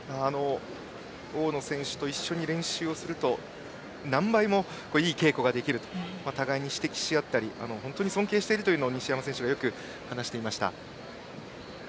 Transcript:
大野選手と一緒に練習すると何倍もいい稽古ができると互いに刺激し合ったりして本当に尊敬していると西山選手がよく話していました。